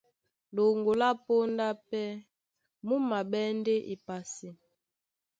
Ɗoŋgo lá póndá pɛ́ mú maɓɛ́ ndé epasi.